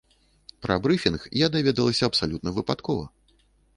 Пра брыфінг я даведалася абсалютна выпадкова.